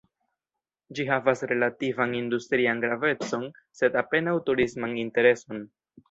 Ĝi havas relativan industrian gravecon, sed apenaŭ turisman intereson.